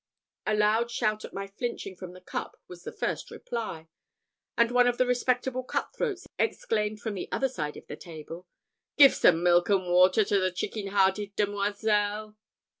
A loud shout at my flinching from the cup was the first reply; and one of the respectable cut throats exclaimed from the other side of the table, "Give some milk and water to the chickenhearted demoiselle."